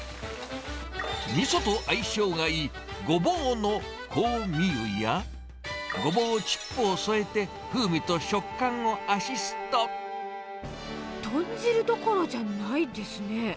みそと相性がいいゴボウの香味油や、ゴボウチップを添えて、豚汁どころじゃないですね。